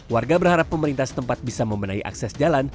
warga berharap pemerintah setempat bisa memenangi aksesnya